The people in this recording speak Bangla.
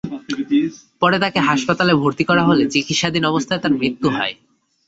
পরে তাঁকে হাসপাতালে ভর্তি করা হলে চিকিৎসাধীন অবস্থায় তাঁর মৃত্যু হয়।